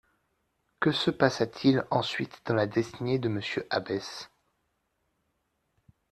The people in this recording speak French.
Que se passa-t-il ensuite dans la destinée de M Abbesse